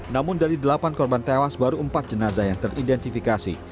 namun dari delapan korban tewas baru empat jenazah yang teridentifikasi